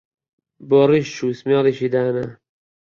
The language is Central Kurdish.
بۆ ڕیش جوو سمێڵیشی دانا